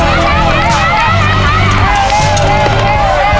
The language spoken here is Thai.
เร็วเร็วเร็ว